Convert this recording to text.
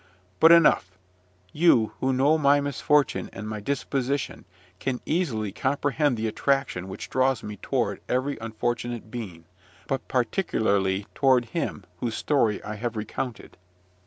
But enough: you, who know my misfortune and my disposition, can easily comprehend the attraction which draws me toward every unfortunate being, but particularly toward him whose story I have recounted.